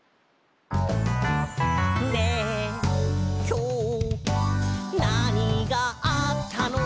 「ねえ、きょう、なにがあったの？」